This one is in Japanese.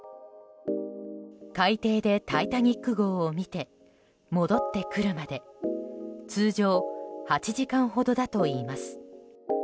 海底で「タイタニック号」を見て戻ってくるまで通常、８時間ほどだといいます。